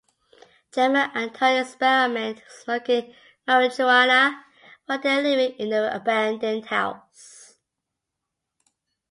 Gemma and Tar experiment smoking marijuana while they are living in the abandoned house.